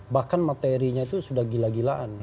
bahkan materinya itu sudah gila gilaan